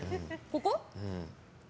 ここ？